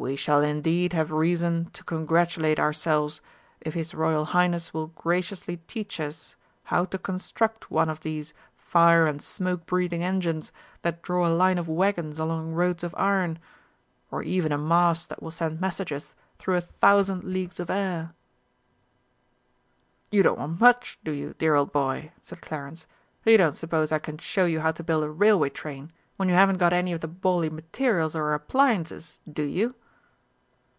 "We shall indeed have reason to congratulate ourselves if his Royal Highness will graciously teach us how to construct one of these fire and smoke breathing engines that draw a line of waggons along roads of iron, or even a mast that will send messages through a thousand leagues of air." "You don't want much, do you, dear old boy?" said Clarence. "You don't suppose I can show you how to build a railway train when you haven't got any of the bally materials or appliances, do you?"